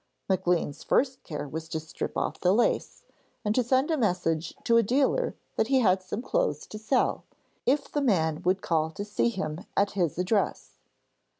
Maclean's first care was to strip off the lace, and to send a message to a dealer that he had some clothes to sell, if the man would call to see them at his address.